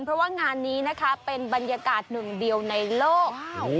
เพราะว่างานนี้นะคะเป็นบรรยากาศหนึ่งเดียวในโลก